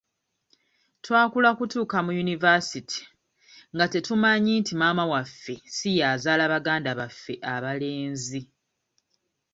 Twakula kutuuka mu yunivaasite nga tetumanyi nti maama waffe si y'azaala baganda baffe abalenzi.